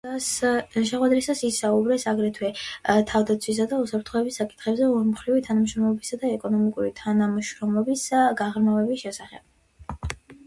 შეხვედრისას ისაუბრეს აგრეთვე, თავდაცვისა და უსაფრთხოების საკითხებში ორმხრივი თანამშრომლობისა და ეკონომიკური თანამშრომლობის გაღრმავების შესახებ.